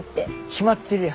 決まってるやん。